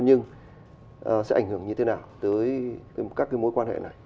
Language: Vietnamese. nhưng sẽ ảnh hưởng như thế nào tới các cái mối quan hệ này